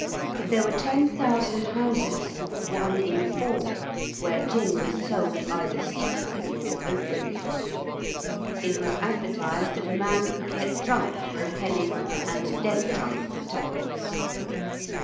There were 10,000 houses one in four where gin was sold either secretly or openly. It was advertised that a man could get drunk for a penny and dead drunk for twopence.